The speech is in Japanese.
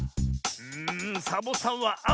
んサボさんはあお！